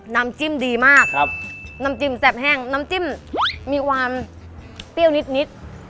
น้ำจิ้มดีมากครับน้ำจิ้มแซ่บแห้งน้ำจิ้มมีความเปรี้ยวนิดนิด